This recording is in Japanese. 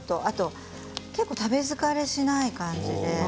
あと、結構食べ疲れしない感じで。